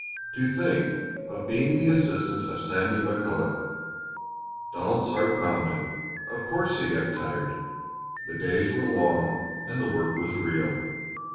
To think of being the assistant of Sandy McCulloch! Donald's heart bounded! Of course he got tired. The days were long and the work was real.